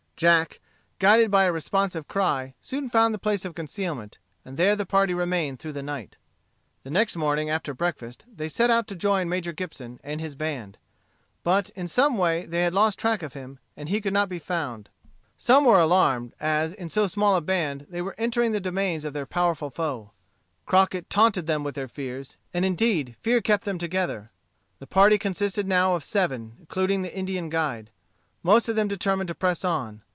Jack, guided by a responsive cry, soon found the place of concealment, and there the party remained through the night. The next morning after breakfast they set out to join Major Gibson and his band; but, in some way, they had lost track of him, and he could not be found. Some were alarmed, as, in so small a band, they were entering the domains of their powerful foe. Crockett taunted them with their fears; and indeed fear kept them together. The party consisted now of seven, including the Indian guide. Most of them determined to press on.